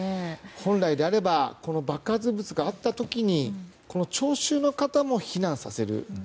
本来であれば爆発物があった時に聴衆の方も避難させる。